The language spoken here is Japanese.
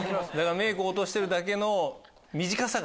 メイク落としてるだけの。